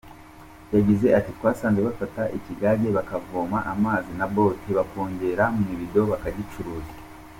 Yagize ati “Twasanze bafata ikigage bakavoma amazi na bote bakongera mu ibido bakagicuruza.